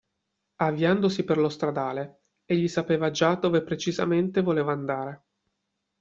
Avviandosi per lo stradale egli sapeva già dove precisamente voleva andare.